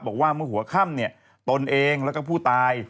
บอกว่าเมื่อหัวค่ำเนี่ยตนเองแล้วก็ผู้ตาย